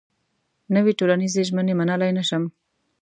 نوې ټولنيزې ژمنې منلای نه شم.